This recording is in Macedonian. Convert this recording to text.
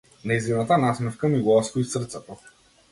Нејзината насмевка ми го освои срцето.